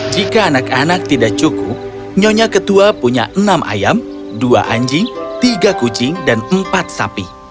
jika anak anak tidak cukup nyonya ketua punya enam ayam dua anjing tiga kucing dan empat sapi